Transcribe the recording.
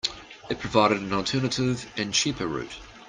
It provided an alternative and cheaper route.